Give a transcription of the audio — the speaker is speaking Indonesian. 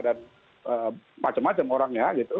dan macam macam orangnya